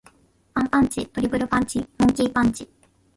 アンパンチ。トリプルパンチ。モンキー・パンチ。